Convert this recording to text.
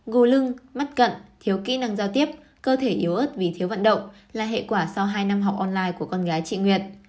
gù lưng mắt cận thiếu kỹ năng giao tiếp cơ thể yếu ớt vì thiếu vận động là hệ quả sau hai năm học online của con gái chị nguyệt